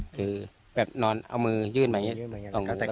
คือแบบนอนเอามือยื่นมาอย่างนี้